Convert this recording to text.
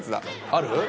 ある？